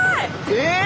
えっ？